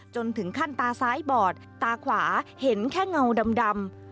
จนถึงขั้นตาซ้ายบอดตาขวาเห็นแค่เงาดำ